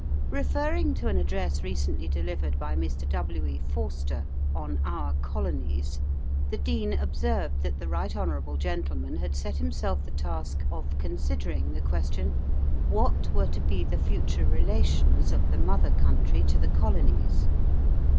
Referring to an address recently delivered by Mr. W. E. Forster on "Our Colonies," the Dean observed that the right hon. gentleman had set himself the task of considering the question, "What were to be the future relations of the Mother Country to the Colonies?"